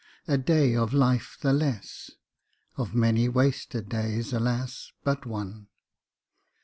A day of life the less; Of many wasted days, alas, but one!